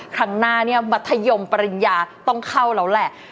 ครั้งหน้าเนี่ยมัธยมปริญญาต้องเข้าแล้วแหละ